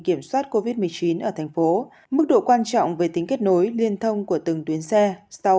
kiểm soát covid một mươi chín ở thành phố mức độ quan trọng về tính kết nối liên thông của từng tuyến xe sau